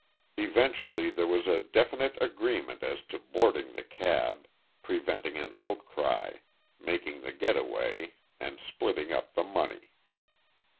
Eventually there was a definite agreement as to boarding the cab, preventing an outcry, making the getaway and splitting up the money.